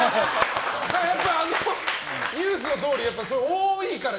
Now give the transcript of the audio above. やっぱりあのニュースのとおり多いから。